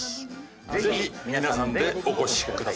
ぜひ皆さんでお越しください。